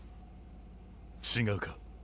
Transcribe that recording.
違うか？